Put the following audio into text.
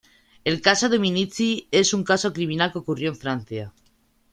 El caso Dominici es un caso criminal que ocurrió en Francia.